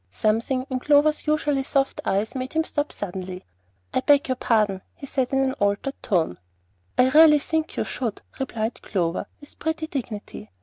Something in Clover's usually soft eyes made him stop suddenly. "I beg your pardon," he said in an altered tone. "I really think you should," replied Clover, with pretty dignity.